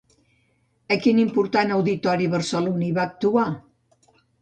A quin important auditori barceloní va actuar?